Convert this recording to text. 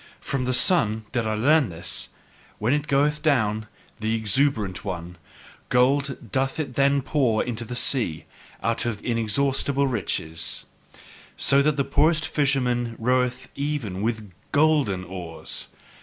From the sun did I learn this, when it goeth down, the exuberant one: gold doth it then pour into the sea, out of inexhaustible riches, So that the poorest fisherman roweth even with GOLDEN oars!